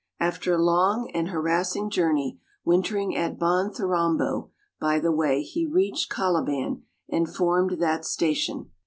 After a long and harassing journey, wintering at Bontherambo by the way, he reached Coliban, and formed that station.